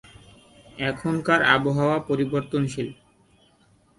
এখানকার আবহাওয়া পরিবর্তনশীল।